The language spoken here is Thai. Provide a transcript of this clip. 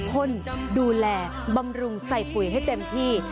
คนดูแลบำรุงใส่ปุ๋ยให้เต็มที่